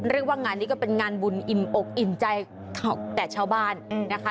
เรียกว่างานนี้ก็เป็นงานบุญอิ่มอกอิ่มใจแต่ชาวบ้านนะคะ